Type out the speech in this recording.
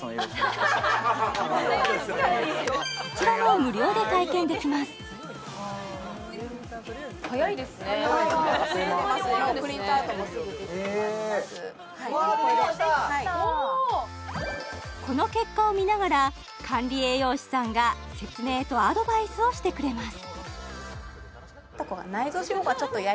確かにこちらも無料で体験できます早いですね早いですねあっという間この結果を見ながら管理栄養士さんが説明とアドバイスをしてくれます